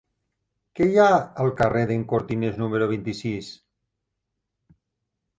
Què hi ha al carrer d'en Cortines número vint-i-sis?